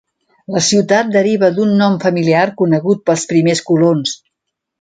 La ciutat deriva d'un nom familiar conegut pels primers colons.